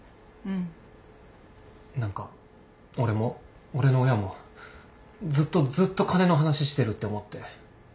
何か俺も俺の親もずっとずっと金の話してるって思って。